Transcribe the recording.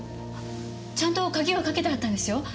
ちゃんと鍵はかけてあったんですよ。